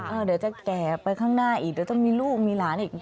เดี๋ยวจะแก่ไปข้างหน้าอีกเดี๋ยวต้องมีลูกมีหลานอีก